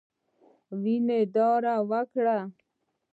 وینو داره وکړه.